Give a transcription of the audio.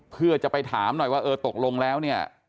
เพื่อจะไปถามหน่อยว่าเออตกลงแล้วเนี่ย